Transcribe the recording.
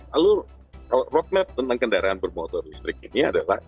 lalu kalau roadmap tentang kendaraan bermotor listrik ini adalah